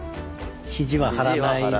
肘は張らないで。